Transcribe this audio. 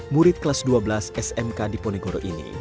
murid kelas dua belas smk di ponegoro ini